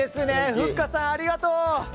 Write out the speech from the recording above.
ふっかさん、ありがとう！